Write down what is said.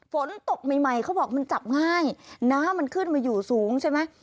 ฝนตกใหม่ใหม่เขาบอกมันจับง่ายน้ำมันขึ้นมาอยู่สูงใช่ไหม